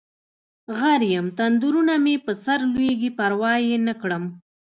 غر یم تندرونه مې په سرلویږي پروا یې نکړم